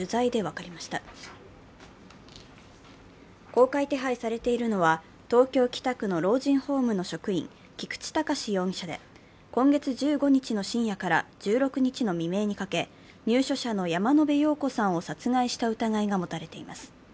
公開手配されているのは、東京・北区の老人ホームの職員、菊池隆容疑者で今月１５日の深夜から１６日の未明にかけ、入所者の山野辺陽子さんを殺害した疑いが持たれています。